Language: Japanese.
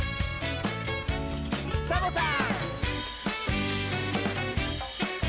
サボさん！